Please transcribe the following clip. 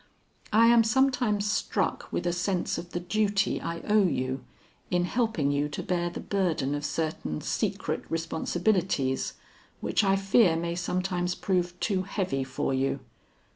"I am sometimes struck with a sense of the duty I owe you, in helping you to bear the burden of certain secret responsibilities which I fear may sometimes prove too heavy for you."